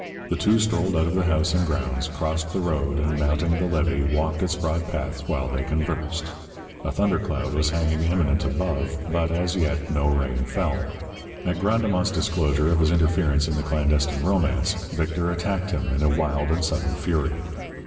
The two strolled out of the house and grounds, crossed the road, and, mounting the levee, walked its broad path while they conversed. A thunder cloud was hanging, imminent, above, but, as yet, no rain fell. At Grandemont's disclosure of his interference in the clandestine romance, Victor attacked him, in a wild and sudden fury.